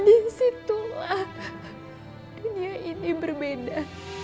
dan situlah dunia ini berbeda